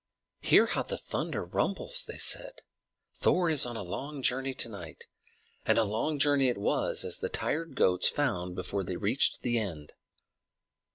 "Hear how the thunder rumbles!" they said. "Thor is on a long journey to night." And a long journey it was, as the tired goats found before they reached the end.